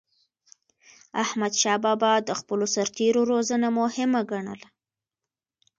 احمدشاه بابا د خپلو سرتېرو روزنه مهمه ګڼله.